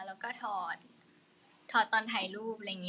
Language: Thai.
แล้วก็ถอดถอดตอนถ่ายรูปอะไรอย่างนี้